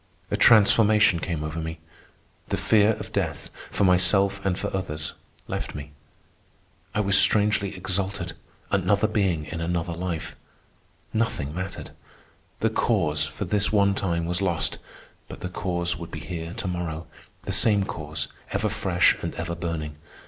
A transformation came over me. The fear of death, for myself and for others, left me. I was strangely exalted, another being in another life. Nothing mattered. The Cause for this one time was lost, but the Cause would be here to morrow, the same Cause, ever fresh and ever burning.